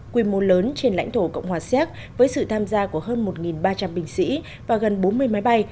quy mô lớn trên lãnh thổ cộng hòa xéc với sự tham gia của hơn một ba trăm linh binh sĩ và gần bốn mươi máy bay